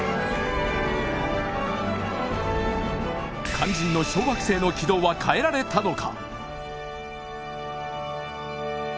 肝心の小惑星の軌道は変えられたのか？